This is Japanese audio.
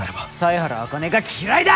犀原茜が嫌いだ！